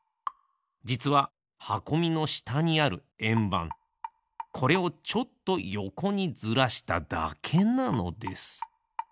じつははこみのしたにあるえんばんこれをちょっとよこにずらしただけなのです。